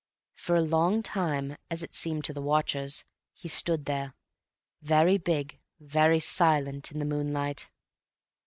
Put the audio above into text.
For a long time, as it seemed to the watchers, he stood there, very big, very silent, in the moonlight.